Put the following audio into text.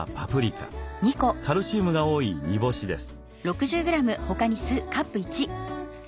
カルシウムが多い煮干しです。